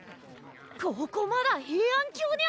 ここまだ平安京ニャ。